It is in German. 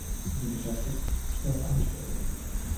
Sie beschäftigt zwölf Angestellte.